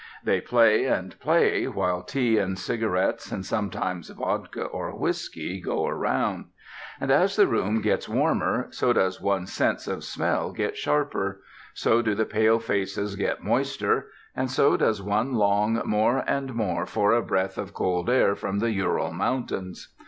They play and play, while tea and cigarettes, and sometimes vodka or whisky, go round; and as the room gets warmer, so does one's sense of smell get sharper; so do the pale faces get moister; and so does one long more and more for a breath of cold air from the Ural Mountains.